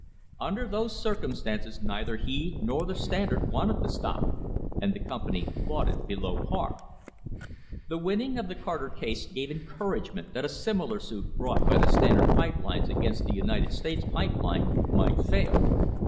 Under those circumstances neither he nor the Standard wanted the stock, and the company bought it below par. The winning of the Carter case gave encouragement that a similar suit brought by the Standard pipe lines against the United States Pipe Line might fail.